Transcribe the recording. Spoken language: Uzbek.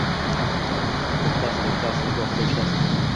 Bittasini, ikkitasini, gohida uchtasini